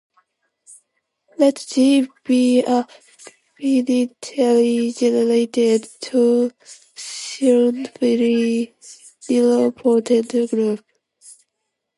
Let "G" be a finitely generated torsionfree nilpotent group.